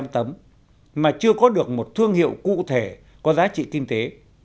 hai mươi năm tấm mà chưa có được một thương hiệu cụ thể có giá trị kinh tế